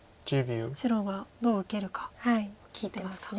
白がどう受けるか聞いてますか。